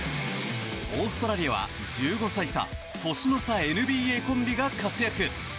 オーストラリアは１５歳差年の差ＮＢＡコンビが活躍。